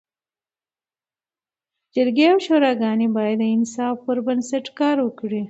جرګي او شوراګاني باید د انصاف پر بنسټ کار وکړي.